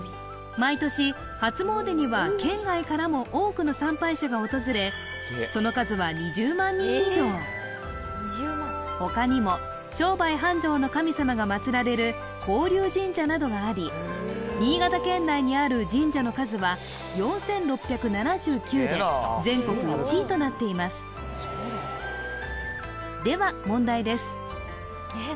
毎年初詣には県外からも多くの参拝者が訪れその数は他にも商売繁盛の神様が祭られる高龍神社などがあり新潟県内にある神社の数は４６７９で全国１位となっていますでは問題です